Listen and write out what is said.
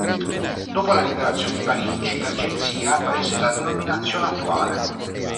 Dopo la Liberazione di Parigi, l'agenzia prese la denominazione attuale.